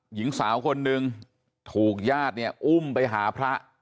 หญิงสาวคนหนึ่งถูกญาติเนี่ยอุ้มไปหาพระ